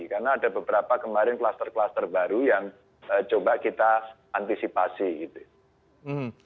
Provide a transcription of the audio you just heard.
karena ada beberapa kemarin kluster kluster baru yang coba kita antisipasi gitu